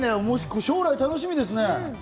将来、楽しみですね。